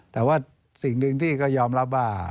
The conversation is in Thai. แต่ว่าสิ่งหนึ่งที่ก็ยอมรับว่า